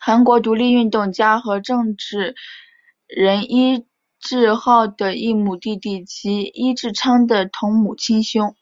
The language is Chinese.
韩国独立运动家和政治人尹致昊的异母弟弟及尹致昌的同母亲兄。